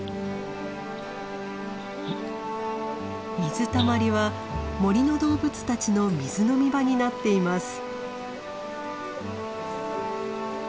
水たまりは森の動物たちの水飲み場になっています。